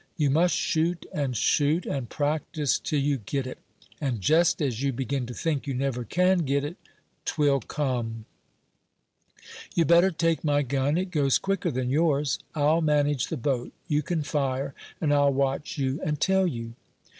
You must shoot, and shoot, and practise till you get it; and jest as you begin to think you never can get it, 'twill come. You better take my gun; it goes quicker than yours. I'll manage the boat; you can fire, and I'll watch you and tell you."